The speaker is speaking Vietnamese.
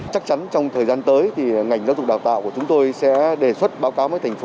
chắc chắn trong thời gian tới thì ngành giáo dục đào tạo của chúng tôi sẽ đề xuất báo cáo với thành phố